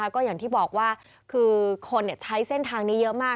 ก็อย่างที่บอกว่าคือคนใช้เส้นทางนี้เยอะมาก